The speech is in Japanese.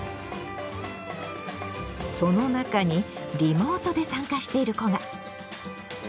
その中にリモートで参加している子が。